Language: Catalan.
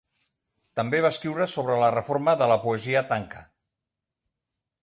També va escriure sobre la reforma de la poesia tanka.